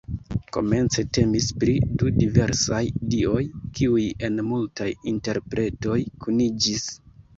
Komence temis pri du diversaj dioj, kiuj en multaj interpretoj kuniĝis.